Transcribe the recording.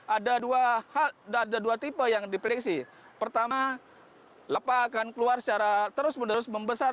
ada dua hal ada dua tipe yang diprediksi pertama lepak akan keluar secara terus menerus membesar